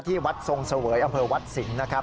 ที่วัดทรงเสวยอำเภอวัดสิงห์นะครับ